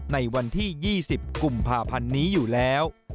ในวันที่๒๐กุมภาพันธ์นี้อยู่แล้ว